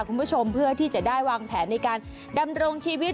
คุณผู้ชมเพื่อที่จะได้วางแผนในการดำรงชีวิต